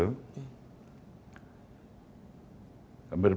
kenapa pak jokowi